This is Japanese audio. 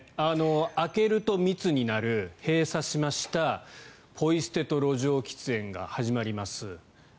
開けると密になる閉鎖しましたポイ捨てと路上喫煙が始まります